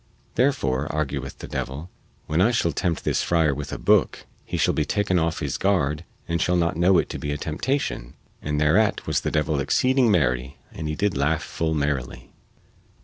Therefore, argueth the devil, when I shall tempt this friar with a booke he shall be taken off his guard and shall not know it to be a temptation. And thereat was the devil exceeding merry and he did laugh full merrily.